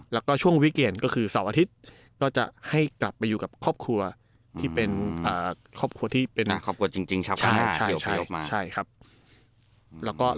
แล้วก็ช่วงวิกฤตก็คือเสาร์อาทิตย์ก็จะให้กลับไปอยู่กับครอบครัวที่เป็นครอบครัวที่เป็นครอบครัวจริงชาวภาคใต้